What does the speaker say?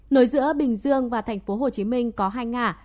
nối giữa bình dương và thành phố hồ chí minh có hai ngã